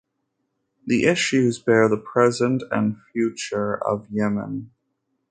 The issues bear the present and future of Yemen.